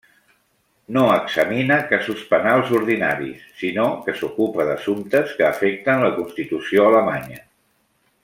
No examina casos penals ordinaris sinó que s'ocupa d'assumptes que afecten la Constitució alemanya.